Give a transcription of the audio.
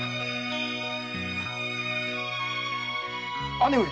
姉上。